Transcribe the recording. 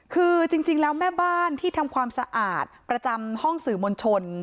คือจริงแล้วแม่บ้านที่ทำความสะอาดประจำห้องสื่อมวลชน